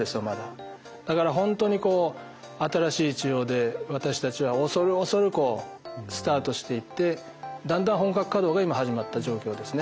だからほんとにこう新しい治療で私たちは恐る恐るスタートしていってだんだん本格稼働が今始まった状況ですね。